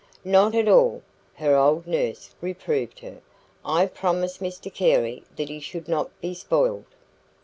"Not at all," her old nurse reproved her. "I promised Mr Carey that he should not be spoiled."